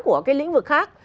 của cái lĩnh vực khác